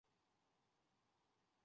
皮奥朗克人口变化图示